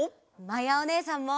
まやおねえさんも！